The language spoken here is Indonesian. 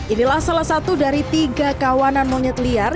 inilah salah satu dari tiga kawanan monyet liar